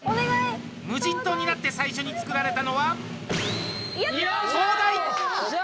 無人島になって最初につくられたのは、灯台。